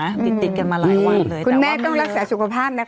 ติดติดกันมาหลายวันเลยคุณแม่ต้องรักษาสุขภาพนะคะ